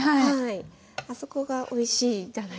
あそこがおいしいじゃないですか。